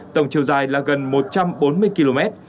tổng chiều dài là gần một trăm bốn mươi km